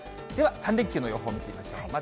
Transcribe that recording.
では、３連休の予報を見てみましょう。